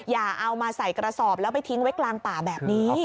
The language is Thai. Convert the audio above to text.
อย่าเอามาใส่กระสอบแล้วไปทิ้งไว้กลางป่าแบบนี้